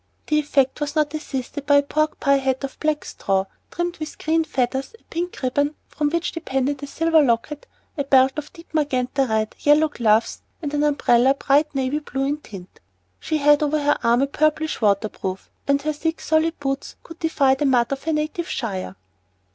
The effect was not assisted by a pork pie hat of black straw trimmed with green feathers, a pink ribbon from which depended a silver locket, a belt of deep magenta red, yellow gloves, and an umbrella bright navy blue in tint. She had over her arm a purplish water proof, and her thick, solid boots could defy the mud of her native shire.